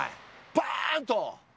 バーン！と。